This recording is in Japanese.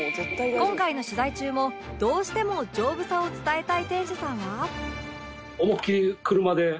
今回の取材中もどうしても丈夫さを伝えたい店主さんは